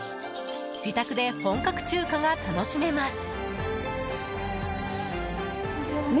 自宅で本格中華が楽しめます。